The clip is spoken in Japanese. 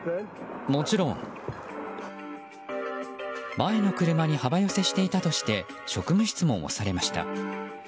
前の車に幅寄せしていたとして職務質問をされました。